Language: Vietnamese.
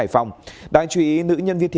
có dịch tả lợn châu phi